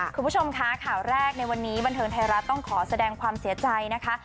คุณผู้ชมคะข่าวแรกในวันนี้บันเทิงไทยรัฐต้องขอแสดงความเสียใจนะคะ